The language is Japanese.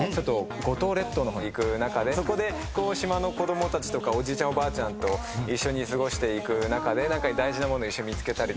五島列島に行く中でそこで島の子供たちとかおじいちゃんおばあちゃんと一緒に過ごしていく中で大事なものを一緒に見つけたりとか。